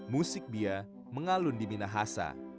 musik bia mengalun di minahasa